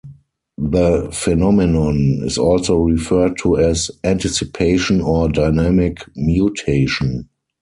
The phenomenon is also referred to as anticipation or dynamic mutation.